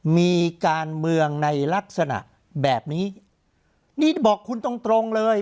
มีการเมืองในลักษณะแบบนี้นี่บอกคุณตรงตรงเลย